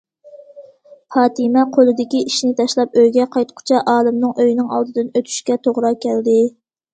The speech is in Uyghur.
پاتىمە قولىدىكى ئىشىنى تاشلاپ ئۆيگە قايتقۇچە، ئالىمنىڭ ئۆيىنىڭ ئالدىدىن ئۆتۈشكە توغرا كەلدى.